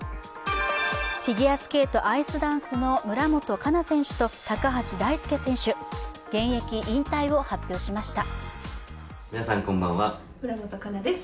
フィギュアスケート・アイスダンスの村元哉中選手と高橋大輔選手、現役引退を発表しました。